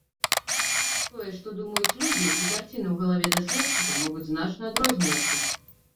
Тое, што думаюць людзі, і карціна ў галаве даследчыка могуць значна адрознівацца.